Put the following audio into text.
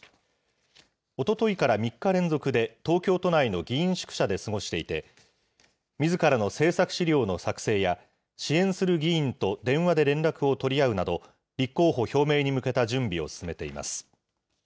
おとといから３日連続で、東京都内の議員宿舎で過ごしていて、みずからの政策資料の作成や、支援する議員と電話で連絡を取り合うなど、立候補表明に向けた準備を進めています。